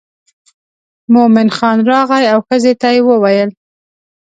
مومن خان راغی او ښځې ته یې وویل.